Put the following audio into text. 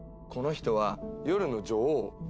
この人は「夜の女王」。